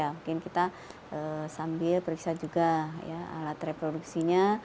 mungkin kita sambil periksa juga alat reproduksinya